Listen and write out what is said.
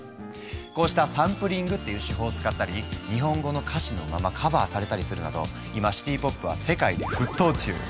こうしたサンプリングっていう手法を使ったり日本語の歌詞のままカバーされたりするなど今シティ・ポップは世界で沸騰中。